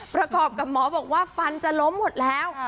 ประกอบกับหมอบอกว่าฟันจะล้มหมดแล้ว